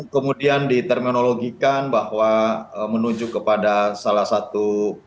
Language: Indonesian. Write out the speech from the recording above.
kemudian diterminologikan bahwa menuju kepada salah satu